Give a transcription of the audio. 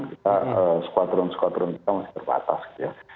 kita skuadron skuadron kita masih berbatas gitu ya